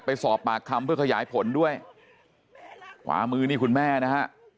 ไปสอบปากคำเพื่อขยายผลด้วยขวามือนี่คุณแม่นะฮะ